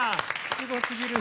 すごすぎる。